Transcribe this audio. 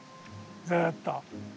ずっと。